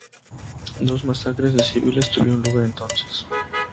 Dos masacres de civiles tuvieron lugar entonces.